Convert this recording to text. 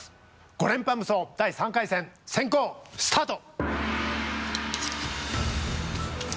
５連覇無双第３回戦先攻スタート！